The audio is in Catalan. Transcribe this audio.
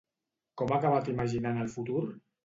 Com ha acabat imaginant el futur?